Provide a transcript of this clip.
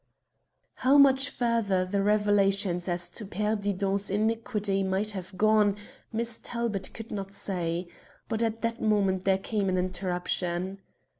How much further the revelations as to Père Didon's iniquity might have gone, Miss Talbot could not say, but at that moment there came an interruption.